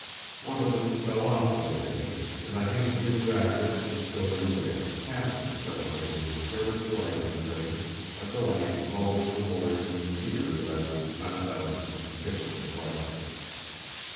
One of them fell off one day, and I hastily grabbed it and stowed it away, passing several days of furtive delight in the treasure, a delight always alloyed with fear that I would be found out and convicted of larceny.